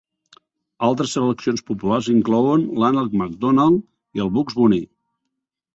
Altres seleccions populars inclouen l'Ànec Donald i Bugs Bunny.